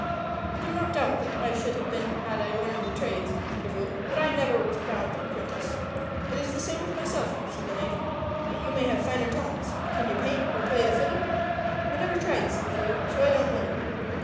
"I do not doubt that I should have been had I learned the trades," said the Fool, "but I never was bound apprentice." "It is the same with myself," said the Knave; "but you may have finer talents. Can you paint, or play the fiddle?" "I never tried," said the Fool; "so I don't know."